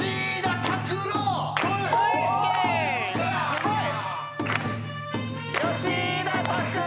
すごい！